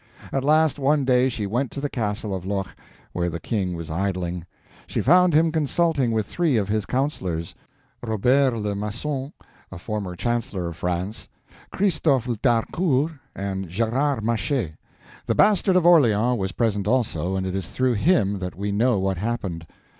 At last one day she went to the Castle of Loches, where the King was idling. She found him consulting with three of his councilors, Robert le Maton, a former Chancellor of France, Christophe d'Harcourt, and Gerard Machet. The Bastard of Orleans was present also, and it is through him that we know what happened.